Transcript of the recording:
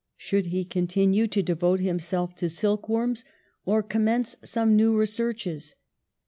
Should he continue to de vote himself to silk worms, or commence some new researches?